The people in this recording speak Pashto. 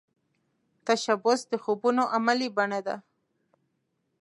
تشبث د خوبونو عملې بڼه ده